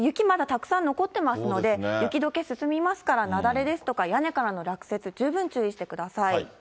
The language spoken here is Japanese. まだたくさん残ってますので、雪どけ進みますから、雪崩ですとか、屋根からの落雪、十分注意してください。